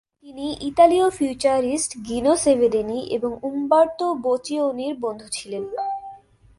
তিনি ইতালীয় ফিউচারিস্ট গিনো সেভেরিনি এবং উম্বার্তো বোচিওনির বন্ধু ছিলেন।